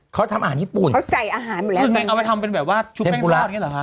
เขาทำอาหารญี่ปุ่นเขาใส่อาหารอยู่แล้วเอาไปทำเป็นแบบว่าชุบแป้งทอดอย่างนี้เหรอคะ